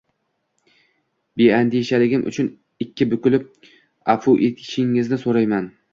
Beandishaligim uchun ikki bukilib afu etishingizni so`rayman